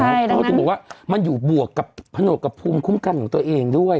ใช่ดังนั้นเขาจะบอกว่ามันอยู่บวกกับผนกกับภูมิคุ้มกันของตัวเองด้วย